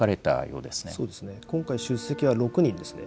そうですね、今回出席は６人ですね。